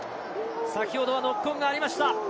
先ほどはノックオンがありました。